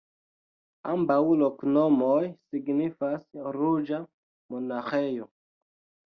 Ambaŭ loknomoj signifas: ruĝa monaĥejo.